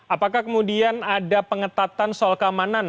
apakah kemudian ada pengetatan soal keamanan